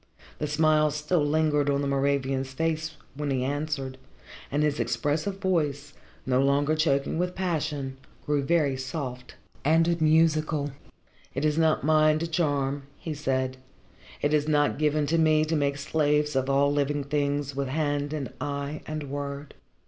The smile still lingered on the Moravian's face, when he answered, and his expressive voice, no longer choking with passion, grew very soft and musical. "It is not mine to charm," he said. "It is not given to me to make slaves of all living things with hand and eye and word.